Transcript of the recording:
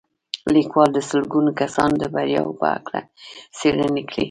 ليکوال د سلګونه کسانو د برياوو په هکله څېړنې کړې.